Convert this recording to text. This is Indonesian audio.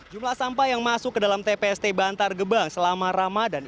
jumlah sampah yang masuk ke dalam tpst bantar gebang selama ramadan